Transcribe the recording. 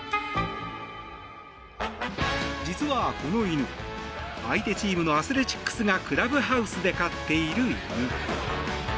実はこの犬相手チームのアスレチックスがクラブハウスで飼っている犬。